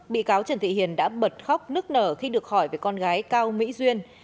bị cáo trần thị hiền đã bật khóc nức nở khi được hỏi về con gái cao mỹ duyên